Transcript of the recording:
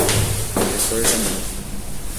Professor Jamil